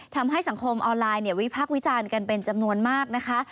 ทำให้สังคมออนไลน์วิพักษ์วิจารณ์กันเป็นจำนวนมากนะคะ